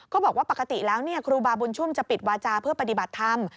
บอกว่าปกติแล้วครูบาบุญชุมจะปิดวาจาเพื่อปฏิบัติธรรม